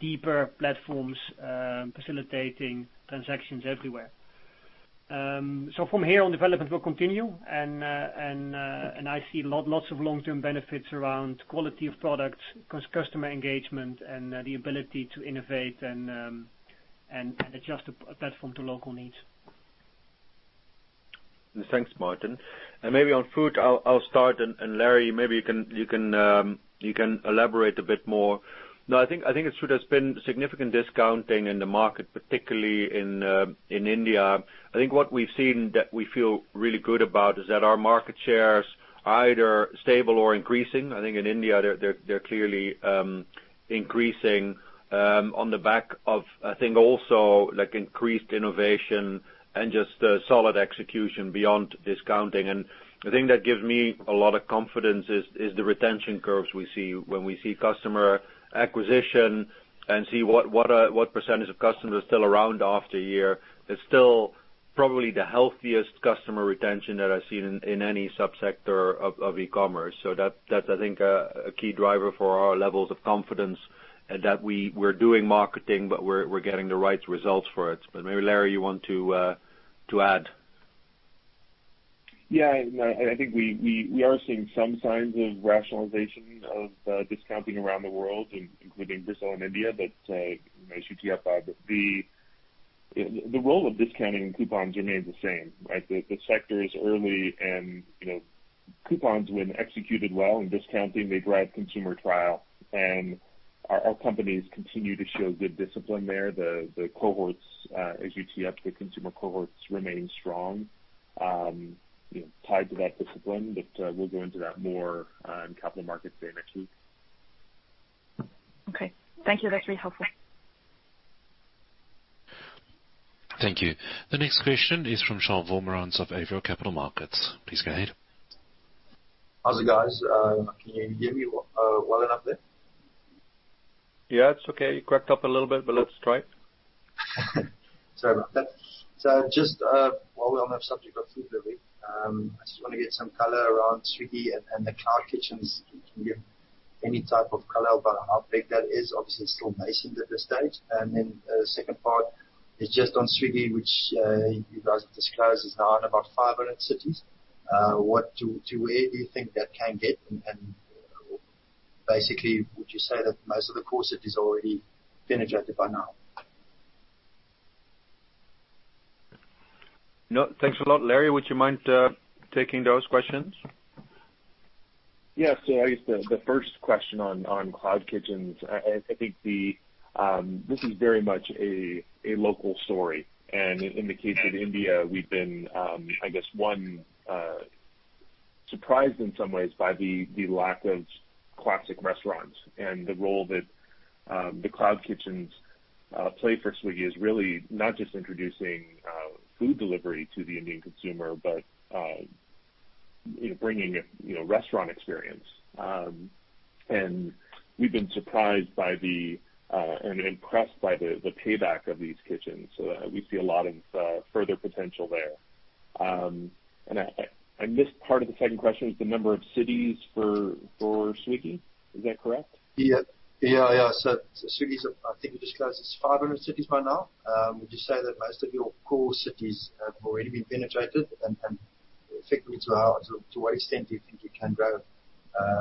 deeper platforms facilitating transactions everywhere. From here on, development will continue, and I see lots of long-term benefits around quality of products, customer engagement, and the ability to innovate and adjust the platform to local needs. Thanks, Martin. Maybe on food, I'll start, and Larry, maybe you can elaborate a bit more. I think there's been significant discounting in the market, particularly in India. I think what we've seen that we feel really good about is that our market share's either stable or increasing. I think in India, they're clearly increasing on the back of, I think also increased innovation and just solid execution beyond discounting. The thing that gives me a lot of confidence is the retention curves we see when we see customer acquisition and see what percentage of customers are still around after a year, it's still probably the healthiest customer retention that I've seen in any subsector of e-commerce. That's, I think, a key driver for our levels of confidence that we're doing marketing, but we're getting the right results for it. Maybe, Larry, you want to add? Yeah, no, I think we are seeing some signs of rationalization of discounting around the world, including Brazil and India, but as you tee up, the role of discounting and coupons remains the same, right? The sector is early and coupons, when executed well in discounting, they drive consumer trial, and our companies continue to show good discipline there. The cohorts, as you tee up, the consumer cohorts remain strong, tied to that discipline. We'll go into that more in Capital Markets Day next week. Okay. Thank you. That's really helpful. Thank you. The next question is from Charles Vomiranz of Avior Capital Markets. Please go ahead. How is it, guys? Can you hear me well enough there? Yeah, it's okay. You cracked up a little bit. Let's try it. Sorry about that. Just while we're on that subject of food, Larry, I just want to get some color around Swiggy and the cloud kitchens. If you can give any type of color about how big that is. Obviously, it's still nascent at this stage. The second part is just on Swiggy, which you guys disclosed is now in about 500 cities. To where do you think that can get, and basically, would you say that most of the core city is already penetrated by now? No, thanks a lot. Larry, would you mind taking those questions? Yeah. I guess the first question on cloud kitchens, I think this is very much a local story. In the case of India, we've been, I guess, surprised in some ways by the lack of classic restaurants and the role that the cloud kitchens play for Swiggy is really not just introducing food delivery to the Indian consumer, but bringing a restaurant experience. We've been surprised and impressed by the payback of these kitchens. We see a lot of further potential there. I missed part of the second question, it was the number of cities for Swiggy. Is that correct? Yeah. Swiggy's, I think we discussed, is 500 cities by now. Would you say that most of your core cities have already been penetrated? Effectively, to what extent do you think you can grow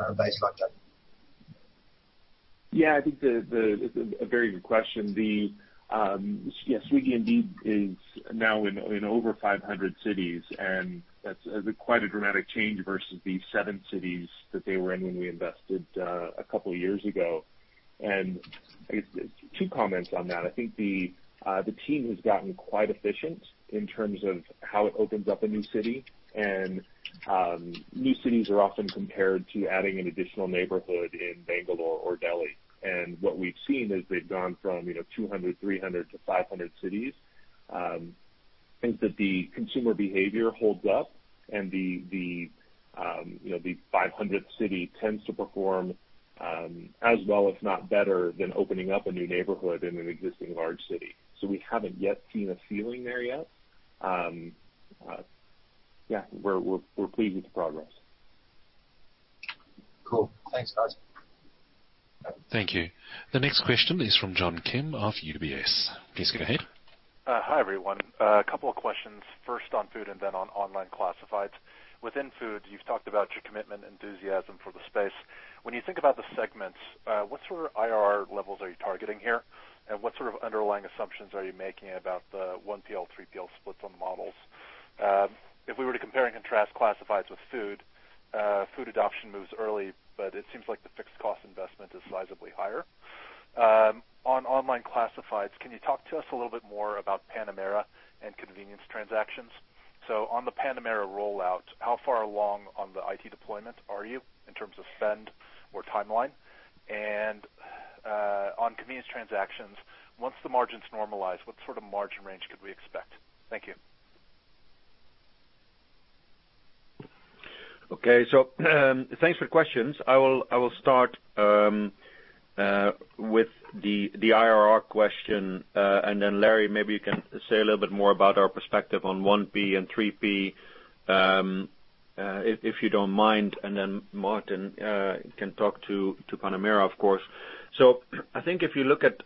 a base like that? I think that's a very good question. Swiggy indeed is now in over 500 cities, and that's quite a dramatic change versus the 7 cities that they were in when we invested a couple of years ago. I guess two comments on that. I think the team has gotten quite efficient in terms of how it opens up a new city, and new cities are often compared to adding an additional neighborhood in Bangalore or Delhi. What we've seen is they've gone from 200, 300 to 500 cities. Think that the consumer behavior holds up and the 500th city tends to perform, as well, if not better than opening up a new neighborhood in an existing large city. We haven't yet seen a ceiling there yet. We're pleased with the progress. Cool. Thanks, guys. Thank you. The next question is from John Kim of UBS. Please go ahead. Hi, everyone. A couple of questions. First on food and then on online classifieds. Within food, you've talked about your commitment, enthusiasm for the space. When you think about the segments, what sort of IRR levels are you targeting here? What sort of underlying assumptions are you making about the 1PL, 3PL splits on the models? If we were to compare and contrast classifieds with food adoption moves early, but it seems like the fixed cost investment is sizably higher. On online classifieds, can you talk to us a little bit more about Panamera and convenience transactions? On the Panamera rollout, how far along on the IT deployment are you in terms of spend or timeline? On convenience transactions, once the margins normalize, what sort of margin range could we expect? Thank you. Thanks for the questions. I will start with the IRR question. Larry, maybe you can say a little bit more about our perspective on 1P and 3P, if you don't mind. Martin can talk to Panamera, of course. I think if you look at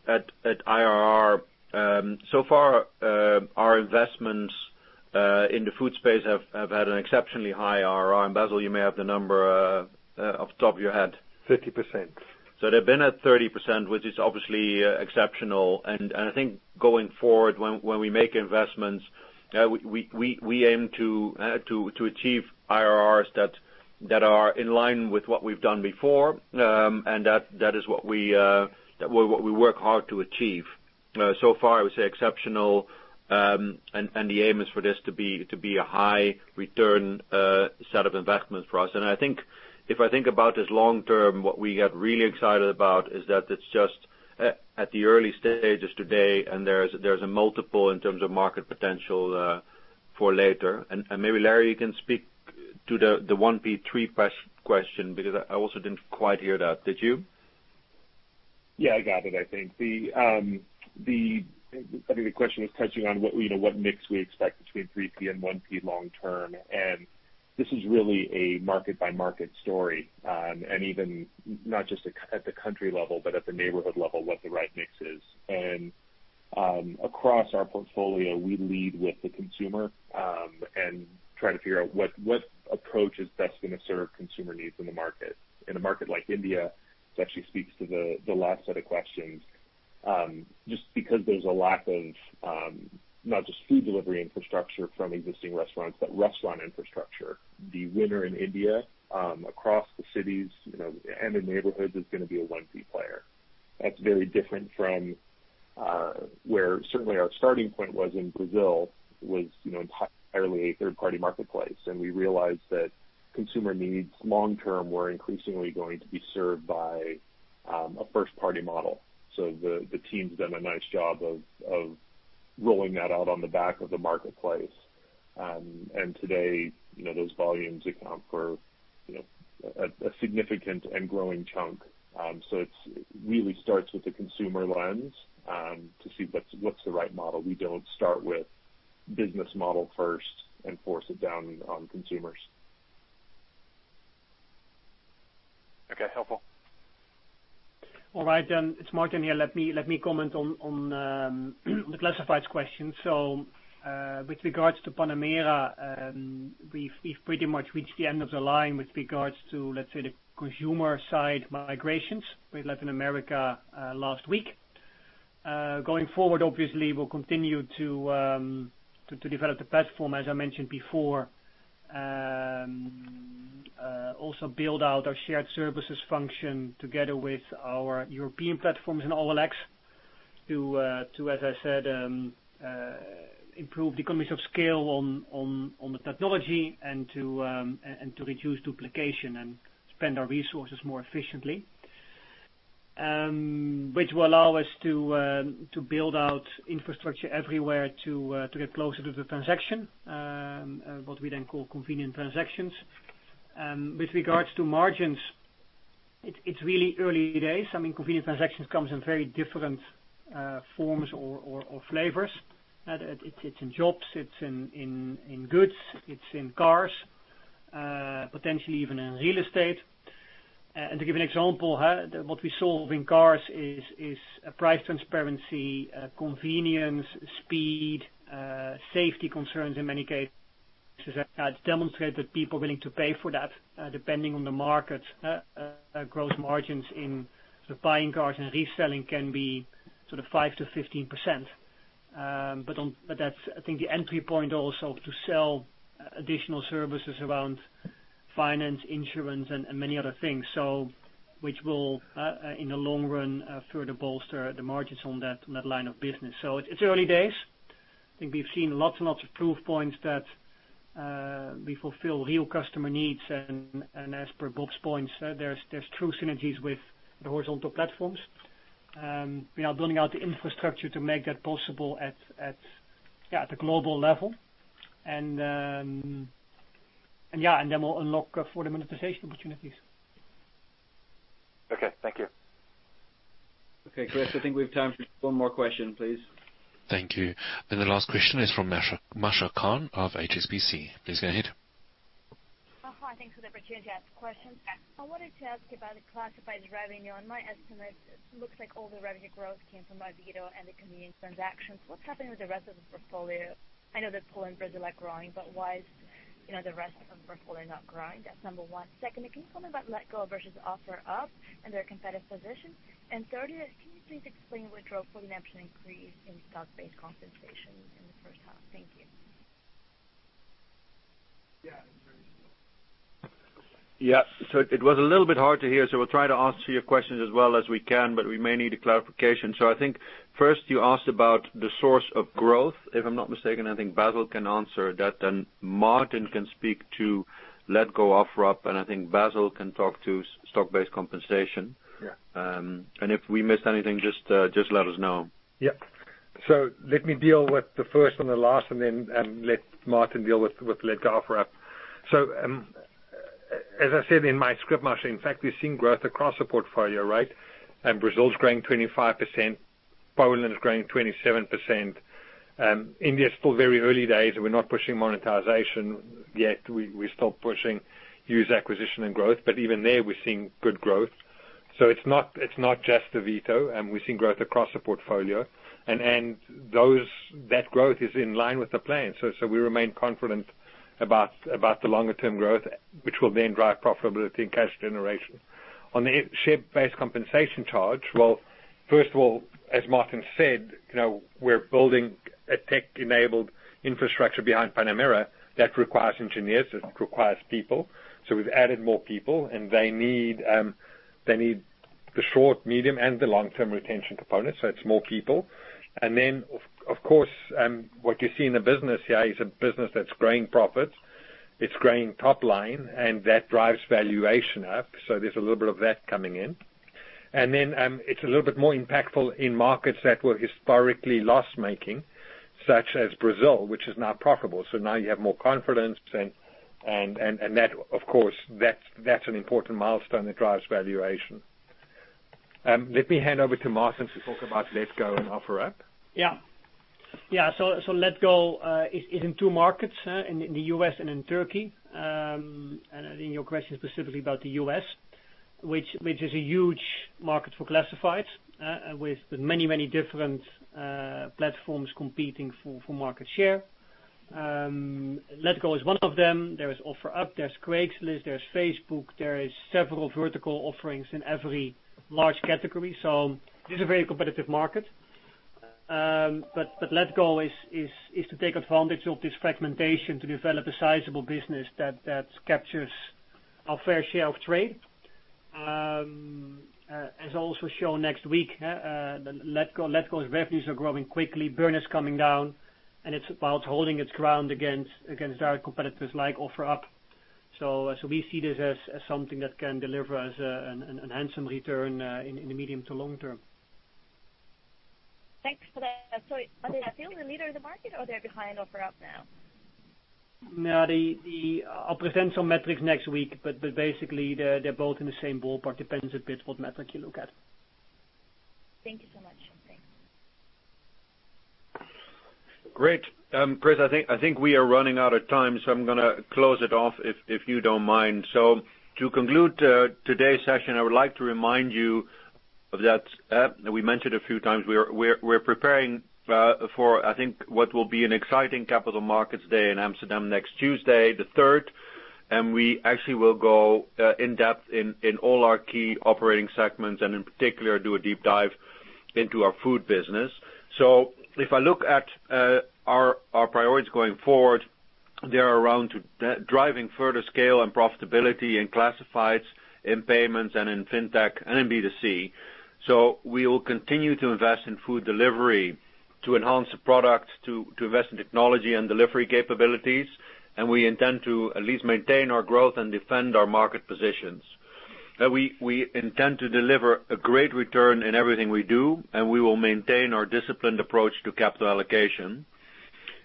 IRR, so far, our investments in the food space have had an exceptionally high IRR. Basil, you may have the number off the top of your head. 30%. They've been at 30%, which is obviously exceptional. I think going forward when we make investments, we aim to achieve IRRs that are in line with what we've done before, and that is what we work hard to achieve. Far, I would say exceptional, and the aim is for this to be a high return set of investments for us. I think if I think about this long term, what we get really excited about is that it's just at the early stages today, and there's a multiple in terms of market potential for later. Maybe Larry, you can speak to the 1P, 3P question because I also didn't quite hear that. Did you? Yeah, I got it, I think. I think the question was touching on what mix we expect between 3P and 1P long term. This is really a market-by-market story. Even not just at the country level, but at the neighborhood level, what the right mix is. Across our portfolio, we lead with the consumer, and try to figure out what approach is best going to serve consumer needs in the market. In a market like India, this actually speaks to the last set of questions, just because there's a lack of not just food delivery infrastructure from existing restaurants, but restaurant infrastructure. The winner in India, across the cities, and in neighborhoods is gonna be a 1P player. That's very different from where certainly our starting point was in Brazil was entirely a third-party marketplace, and we realized that consumer needs long term were increasingly going to be served by a first-party model. The team's done a nice job of rolling that out on the back of the marketplace. Today, those volumes account for a significant and growing chunk. It really starts with the consumer lens, to see what's the right model. We don't start with business model first and force it down on consumers. Okay. Helpful. All right. It's Martin here. Let me comment on the classifieds question. With regards to Panamera, we've pretty much reached the end of the line with regards to, let's say, the consumer side migrations with Latin America last week. Going forward, obviously, we'll continue to develop the platform, as I mentioned before. Also build out our shared services function together with our European platforms in OLX, as I said, improve the economies of scale on the technology and to reduce duplication and spend our resources more efficiently, which will allow us to build out infrastructure everywhere to get closer to the transaction, what we then call convenient transactions. With regards to margins, it's really early days. Convenient transactions comes in very different forms or flavors. It's in jobs, it's in goods, it's in cars, potentially even in real estate. To give an example, what we solve in cars is price transparency, convenience, speed, safety concerns in many cases, and it's demonstrated people are willing to pay for that, depending on the market. Gross margins in buying cars and reselling can be 5%-15%. That's, I think, the entry point also to sell additional services around finance, insurance, and many other things, which will, in the long run, further bolster the margins on that line of business. It's early days. I think we've seen lots and lots of proof points that we fulfill real customer needs, and as per Bob's points, there's true synergies with the horizontal platforms. We are building out the infrastructure to make that possible at a global level. We'll unlock further monetization opportunities. Okay. Thank you. Okay, Chris, I think we have time for one more question, please. Thank you. The last question is from Masha Kahn of HSBC. Please go ahead. Hi, thanks for the opportunity to ask a question. I wanted to ask about the classified revenue. On my estimate, it looks like all the revenue growth came from Avito and the convenient transactions. What's happening with the rest of the portfolio? I know that Poland, Brazil are growing, but why is the rest of the portfolio not growing? That's number 1. Second, can you tell me about letgo versus OfferUp and their competitive position? Thirdly, can you please explain what drove the net increase in stock-based compensation in the first half? Thank you. Yeah. It was a little bit hard to hear, so we'll try to answer your questions as well as we can, but we may need a clarification. I think first you asked about the source of growth. If I'm not mistaken, I think Basil can answer that, and Martin can speak to letgo, OfferUp, and I think Basil can talk to stock-based compensation. Yeah. If we missed anything, just let us know. Yep. Let me deal with the first and the last, and then let Martin deal with Letgo, OfferUp. As I said in my script, Masha, in fact, we're seeing growth across the portfolio. Brazil's growing 25%, Poland is growing 27%. India is still very early days. We're not pushing monetization yet. We're still pushing user acquisition and growth. Even there, we're seeing good growth. It's not just Avito, we're seeing growth across the portfolio. That growth is in line with the plan. We remain confident about the longer-term growth, which will then drive profitability and cash generation. On the share-based compensation charge. Well, first of all, as Martin said, we're building a tech-enabled infrastructure behind Panamera that requires engineers, that requires people. We've added more people, and they need the short, medium, and the long-term retention component. It's more people. Of course, what you see in the business here is a business that's growing profit, it's growing top line, and that drives valuation up. There's a little bit of that coming in. It's a little bit more impactful in markets that were historically loss-making, such as Brazil, which is now profitable. Now you have more confidence, and that, of course, that's an important milestone that drives valuation. Let me hand over to Martin to talk about letgo and OfferUp. letgo is in two markets, in the U.S. and in Turkey. I think your question is specifically about the U.S., which is a huge market for classifieds, with many different platforms competing for market share. letgo is one of them. There is OfferUp, there's Craigslist, there's Facebook, there is several vertical offerings in every large category. It is a very competitive market. letgo is to take advantage of this fragmentation to develop a sizable business that captures a fair share of trade. As also shown next week, letgo's revenues are growing quickly, burn is coming down, and it's about holding its ground against our competitors like OfferUp. We see this as something that can deliver us a handsome return in the medium to long term. Thanks for that. Are they still the leader of the market or they're behind OfferUp now? I'll present some metrics next week, but basically, they're both in the same ballpark. Depends a bit what metric you look at. Thank you so much. Thanks. Great. Chris, I think we are running out of time, I am going to close it off, if you don't mind. To conclude today's session, I would like to remind you that we mentioned a few times we're preparing for, I think, what will be an exciting Capital Markets Day in Amsterdam next Tuesday, the 3rd. We actually will go in depth in all our key operating segments, and in particular, do a deep dive into our food business. If I look at our priorities going forward, they are around driving further scale and profitability in classifieds, in payments, and in fintech and in B2C. We will continue to invest in food delivery to enhance the product, to invest in technology and delivery capabilities, and we intend to at least maintain our growth and defend our market positions. We intend to deliver a great return in everything we do, and we will maintain our disciplined approach to capital allocation.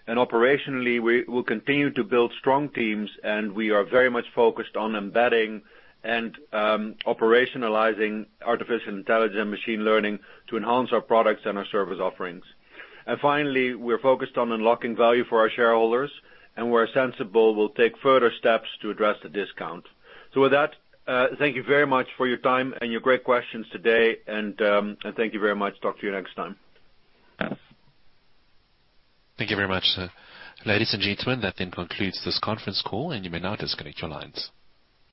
Operationally, we will continue to build strong teams, and we are very much focused on embedding and operationalizing artificial intelligence and machine learning to enhance our products and our service offerings. Finally, we're focused on unlocking value for our shareholders, and where sensible, we'll take further steps to address the discount. With that, thank you very much for your time and your great questions today, and thank you very much. Talk to you next time. Thank you very much, sir. Ladies and gentlemen, that then concludes this conference call, and you may now disconnect your lines.